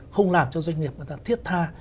không làm cho doanh nghiệp thiết tha